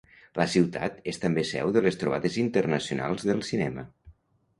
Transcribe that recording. La ciutat és també seu de les trobades internacionals del Cinema.